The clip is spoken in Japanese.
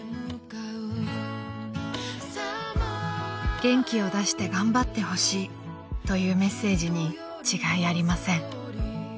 ［元気を出して頑張ってほしいというメッセージに違いありません］